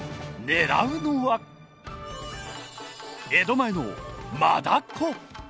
ねらうのは、江戸前のマダコ。